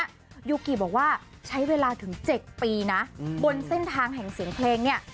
ยูกิบอกว่าใช้เวลาถึง๗ปีนะบนเส้นทางแห่งเสียงเพลงเนี่ย